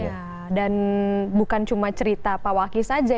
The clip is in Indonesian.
iya dan bukan cuma cerita pak wakil saja